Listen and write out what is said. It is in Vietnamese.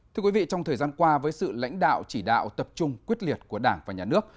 thưa quý vị trong thời gian qua với sự lãnh đạo chỉ đạo tập trung quyết liệt của đảng và nhà nước